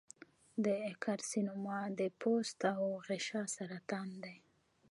د کارسینوما د پوست او غشا سرطان دی.